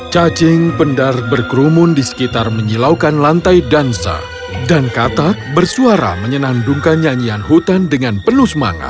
cacing bendar berkerumun di sekitar menyilaukan lantai dansa dan katak bersuara menyenandungkan nyanyian hutan dengan penuh semangat